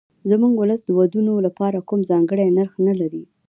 زموږ ولس د ودونو لپاره کوم ځانګړی نرخ نه لري.